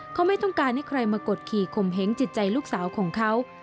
เขาไม่ต้องการให้ใครมากดขี่ข่มเห้งจิตใจลูกสาวของเขา